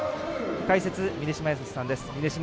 解説、峰島靖さんです。